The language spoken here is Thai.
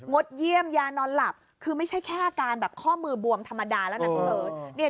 ดเยี่ยมยานอนหลับคือไม่ใช่แค่อาการแบบข้อมือบวมธรรมดาแล้วนะพี่เบิร์ต